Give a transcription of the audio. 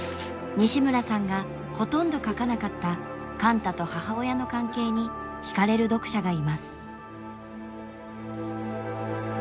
西村さんがほとんど書かなかった貫多と母親の関係にひかれる読者がいます。